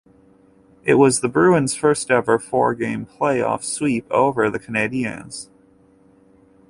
It was the Bruins' first ever four-game playoff sweep over the Canadiens.